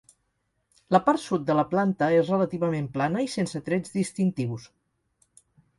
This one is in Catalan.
La part sud de la planta és relativament plana i sense trets distintius.